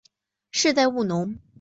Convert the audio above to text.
世代务农。